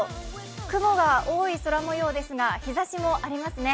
雲が多い空模様ですが日ざしもありますね。